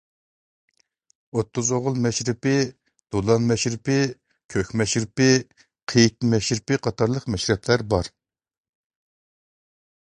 ئوتتۇز ئوغۇل مەشرىپى، دولان مەشرىپى، كۆك مەشرىپى، قېيىت مەشرىپى قاتارلىق مەشرەپلەر بار.